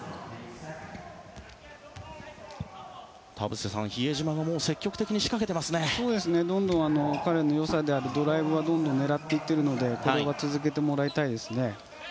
田臥さん、比江島が積極的にどんどん彼の良さであるドライブは狙っているのでこれは続けてもらいたいですね。